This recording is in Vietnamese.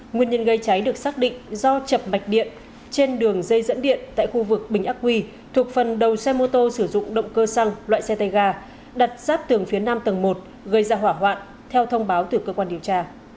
nguyên nhân gây cháy được xác định do chập mạch điện trên đường dây dẫn điện tại khu vực bình ác quy thuộc phần đầu xe mô tô sử dụng động cơ xăng loại xe tay ga đặt ráp tường phía nam tầng một gây ra hỏa hoạn theo thông báo từ cơ quan điều tra